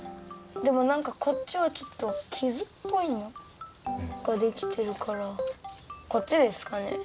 でもなんかこっちはちょっときずっぽいのができてるからこっちですかね？